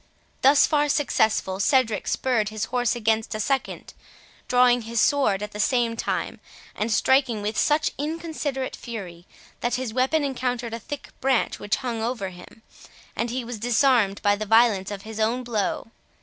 Thus far successful, Cedric spurred his horse against a second, drawing his sword at the same time, and striking with such inconsiderate fury, that his weapon encountered a thick branch which hung over him, and he was disarmed by the violence of his own blow.